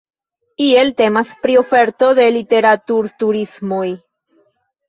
Iel temas pri oferto de literaturturismo.